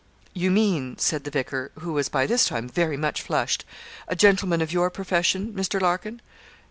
'You mean,' said the vicar, who was by this time very much flushed, 'a gentleman of your profession, Mr. Larkin.